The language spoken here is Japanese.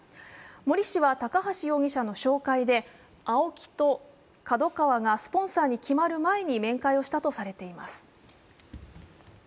森氏は高橋容疑者の紹介でＡＯＫＩとＫＡＤＯＫＡＷＡがスポンサーに決まる前に面会をしたとされています。